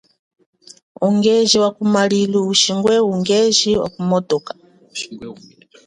Ungeji wa kumalilu ushi ungeji ngwe wuwu wa motoka.